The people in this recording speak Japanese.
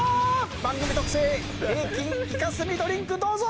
番組特製平均以下スミドリンクどうぞ！